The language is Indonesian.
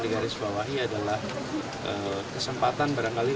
digarisbawahi adalah kesempatan barangkali